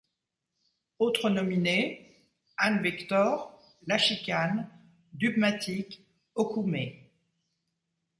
Autres nominés: Ann Victor, la Chicane, Dubmatique, Okoumé.